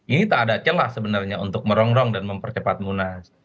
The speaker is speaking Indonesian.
ini tak ada celah sebenarnya untuk merongrong dan mempercepat munas